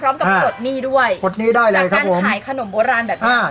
พร้อมกับกฎหนี้ด้วยกฎหนี้ได้เลยครับผมจากการขายขนมโบราณแบบนี้